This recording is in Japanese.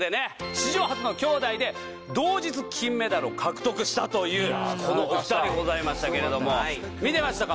史上初のきょうだいで同日金メダルを獲得したというこのお二人でございましたけれども見てましたか？